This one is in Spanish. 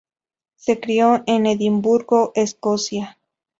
Se crio en Edimburgo, Escocia.